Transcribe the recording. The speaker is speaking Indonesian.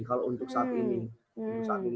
kalau untuk saat ini